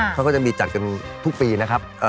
เขาก็จะมีจัดกันทุกปีนะครับ